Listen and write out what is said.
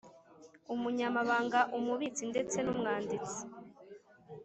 Umunyamabanga Umubitsi ndetse numwanditsi